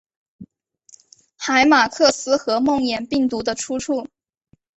海马克斯和梦魇病毒的出处！